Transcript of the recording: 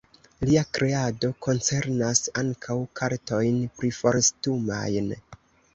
Lia kreado koncernas ankaŭ kartojn priforstumajn.